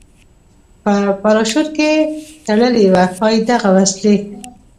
په پراشوټ کې تړلې وه، ښایي دغه وسلې.